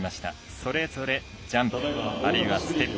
それぞれジャンプあるいはステップ。